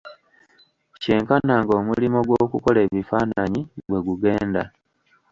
Kyenkana ng'omulimo gw'okukola ebifaananyi bwe gugenda.